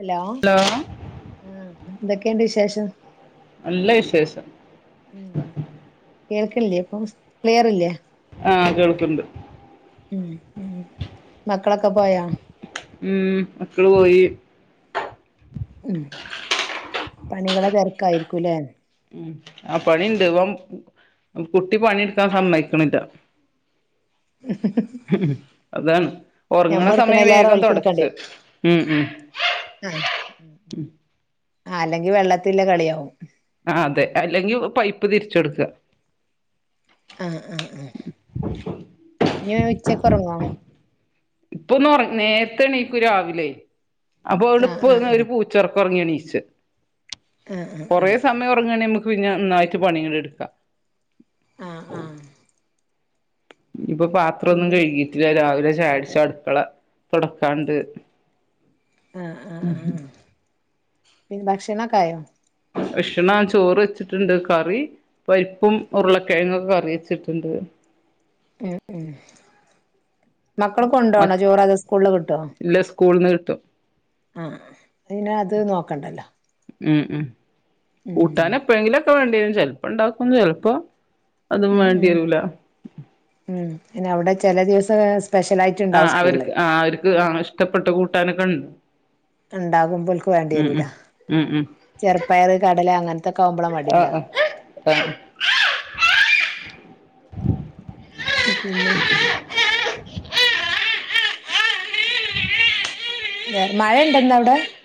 Hello, ആഹ് എന്തൊക്കെയുണ്ട് വിശേഷം. നല്ല വിശേഷം ഉം കേൾക്കില്ലേ ഇപ്പം ക്ലിയറില്ലേ? ആഹ് കേൾക്ക്ണ്ട് ഉം ഉം മക്കളൊക്കെ പോയാ? ഉം മക്കള് പോയി. ഉം പണികളെ തിരക്കായിരിക്കൂല്ലേ. ഉം ആ പണിണ്ട് ഇവം കുട്ടി പണിയെടുക്കാൻ സമ്മയിക്കണില്ല അതാണ. ഉറങ്ങണ ഞമ്മ സമയം എടുക്കണേലേറെ വേഗം ഓൽക്ക് എടുക്കേണ്ടി തുടച്ച് വരും ഉം ഉം ആഹ് അല്ലെങ്കിൽ വെള്ളത്തില് ള്ള കളിയാവും ആ അതെ അല്ലെങ്കിൽ പൈപ്പ് തിരിച്ചെടുക്കുക ആഹ് ആഹ് ആഹ് ഇനി അവൻ ഉച്ചക്ക് ഉറങ്ങോ ഇപ്പൊന്ന് ഒറ നേരത്തെ എണീക്കും രാവിലെ അപ്പ ആഹ് ഇപ്പ ഒരു ആഹ് ച്ച ഒറക്കം ഒറങ്ങി എണീച്ച് ആഹ് ആഹ് കൊറെ സമയം ഉറങ്ങാന് ന ക്ക് പിന്നെ നന്നായിട്ട് പണികളെടുക്കാം ആഹ് ആഹ് ഇപ്പൊ പാത്രൊന്നും പിന്നെ കഴുകിട്ടില്ല രാവിലെ ചായുടിച അടുക്കള തൊടക്കാണ്ട് ആഹ് ആഹ് ആഹ് പിന്നെ ഭക്ഷണൊക്കായോ ഭക്ഷണം ചോറ് വെച്ചിട്ടുണ്ട് കറി പരിപ്പും ഉരുളക്കിഴങ്ങ് കറി വെച്ചിട്ടുണ്ട് ഉം ഉം മക്കള് മ കൊണ്ടോണോ ചോറ് അതോ സ്കൂളില് കിട്ടുവോ ഇല്ല സ്കൂളിന്ന് കിട്ടും ആഹ് ആഹ് പിന്നെ അത് നോക്കണ്ടല്ലോ ഉം ഉം ഉം കൂട്ടാൻ എപ്പോഴെങ്കിലുക്കെ വേണ്ടിവരും ചെലപ്പോ ഇണ്ടാക്കും ചെലപ്പോ ഉം ഉം ഉം പിന്ന അവിടെ ചെല ദിവസം സ്പെഷലായി ആഹ് അവര്ക്ക് ആഹ് അവർക്ക് ആ ഇഷ്ടപ്പെട്ട കൂട്ടാനൊക്കെ ഇൺ ഇണ്ടാകുമ്പോൾക്ക് വേണ്ടി വരൂല്ല ഉം ഉം ചെറുപ്പയർ കടല അങ്ങനത്തൊക്കെ ആകുമ്പോളാ മടി ഇണ്ടാവുക ആഹ് പിന്നെ വേറെ മഴ ഇണ്ട്ന്നാ അവിടെ ആ